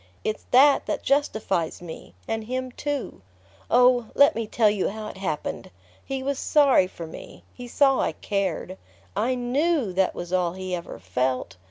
It's that that justifies me and him too...Oh, let me tell you how it happened! He was sorry for me: he saw I cared. I KNEW that was all he ever felt.